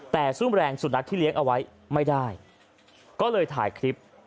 แต่ซุ่มแรงสุนัขที่เลี้ยงเอาไว้ไม่ได้ก็เลยถ่ายคลิป